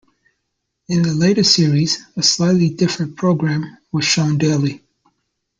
In the later series, a slightly different programme was shown daily.